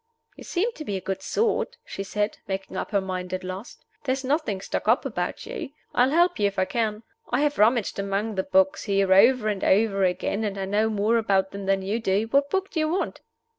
"You seem to be a good sort," she said, making up her mind at last. "There's nothing stuck up about you. I'll help you if I can. I have rummaged among the books here over and over again, and I know more about them than you do. What book do you want?"